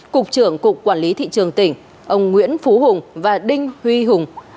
cục trưởng cục quản lý thị trường tỉnh ông nguyễn phú hùng và đinh huy hùng